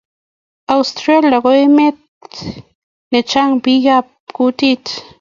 Australia ko emet ne chang pik ab kutit